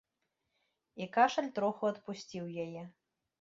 І кашаль троху адпусціў яе.